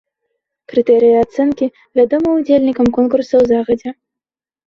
Крытэрыі ацэнкі вядомы ўдзельнікам конкурсаў загадзя.